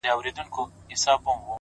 اوښـكه د رڼـــا يــې خوښــــه ســـوېده؛